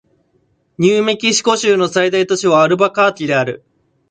ニューメキシコ州の最大都市はアルバカーキである